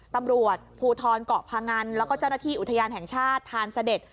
ตำรวจภูทรเกาะพงันแล้วก็เจ้าหน้าที่อุทยานแห่งชาติทานเสด็จ